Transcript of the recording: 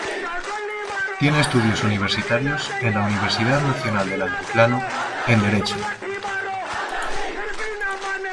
Tiene estudios universitarios en la Universidad Nacional del Altiplano en Derecho.